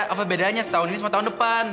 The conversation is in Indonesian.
apa bedanya setahun ini sama tahun depan